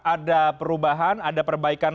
ada perubahan ada perbaikan